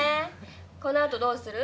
このあとどうする？